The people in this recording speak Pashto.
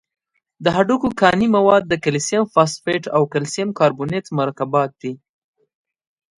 د هډوکو کاني مواد د کلسیم فاسفیټ او کلسیم کاربونیت مرکبات دي.